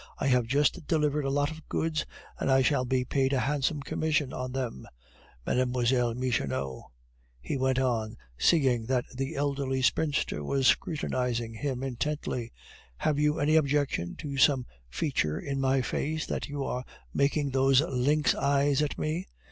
I have just delivered a lot of goods, and I shall be paid a handsome commission on them Mlle. Michonneau," he went on, seeing that the elderly spinster was scrutinizing him intently, "have you any objection to some feature in my face, that you are making those lynx eyes at me?